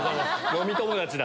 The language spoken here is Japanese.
飲み友達だ！